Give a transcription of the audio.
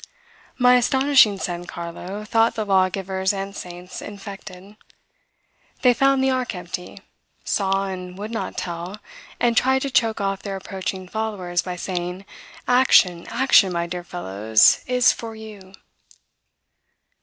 My astonishing San Carlo thought the lawgivers and saints infected. They found the ark empty; saw, and would not tell; and tried to choke off their approaching followers, by saying, "Action, action, my dear fellows, is for you!"